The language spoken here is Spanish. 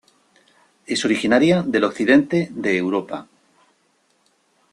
Es originaria del occidente de Europa.